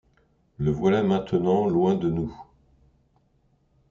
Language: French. Le voilà maintenant loin de nous!